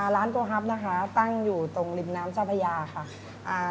โกฮับนะคะตั้งอยู่ตรงริมน้ำเจ้าพระยาค่ะ